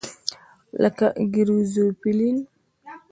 لکه ګریزوفولوین.